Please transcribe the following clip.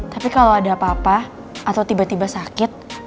tapi kalau ada apa apa atau tiba tiba sakit